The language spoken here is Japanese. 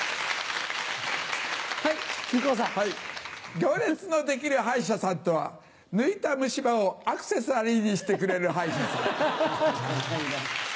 行列の出来る歯医者さんとは抜いた虫歯をアクセサリーにしてくれる歯医者さん。